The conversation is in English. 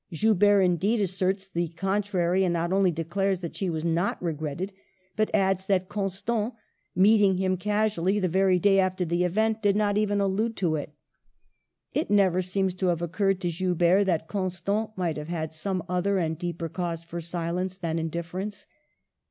Joubert, indeed, asserts the contrary, and not only declares that she was not regretted, but adds that Constant, meeting him casually the very day after the event, did not even allude to it. It never seems to have oc curred to Joubert that Constant might have had some other and deeper cause for silence than indifference.